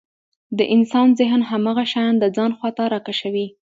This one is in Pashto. د انسان ذهن هماغه شيان د ځان خواته راکشوي.